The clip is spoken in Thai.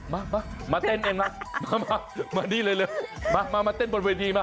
มามาเต้นเองมามานี่เลยมามาเต้นบนเวทีมา